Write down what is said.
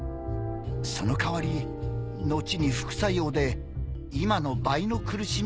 その代わり後に副作用で今の倍の苦しみに襲われます。